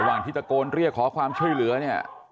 ที่ตะโกนเรียกขอความช่วยเหลือเนี่ย